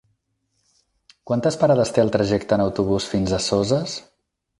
Quantes parades té el trajecte en autobús fins a Soses?